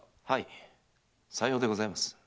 はいさようでございます。